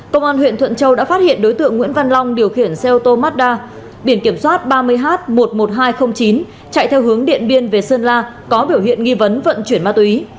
công an huyện thuận châu đã phát hiện đối tượng nguyễn văn long điều khiển xe ô tô mazda biển kiểm soát ba mươi h một mươi một nghìn hai trăm linh chín chạy theo hướng điện biên về sơn la có biểu hiện nghi vấn vận chuyển ma túy